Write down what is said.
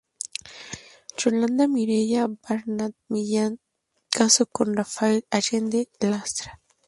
Yolanda Mireya Barnard Millán casó con Rafael Allende Lastra.